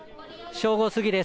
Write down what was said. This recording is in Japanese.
正午過ぎです。